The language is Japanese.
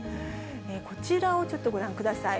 こちらをちょっとご覧ください。